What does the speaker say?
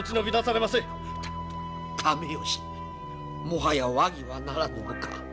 もはや和議はならぬのか？